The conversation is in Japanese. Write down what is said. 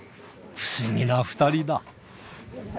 不思議な２人だ。